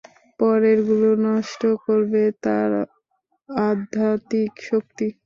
পরেরগুলো নষ্ট করবে তার আধ্যাত্মিক শক্তি।